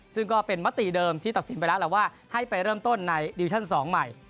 ซึ่งก็เป็นมติเดิมที่ตัดสินไปแล้วแหละว่าให้ไปเริ่มต้นในดิวิชั่น๒ใหม่